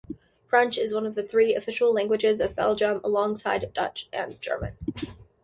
French is one of the three official languages of Belgium alongside Dutch and German.